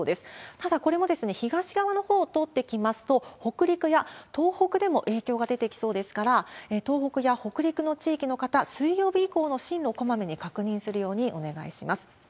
ただ、これも東側のほうを通っていきますと、北陸や東北でも影響が出てきそうですから、東北や北陸の地域の方、水曜日以降の進路、こまめに確認するようにお願いします。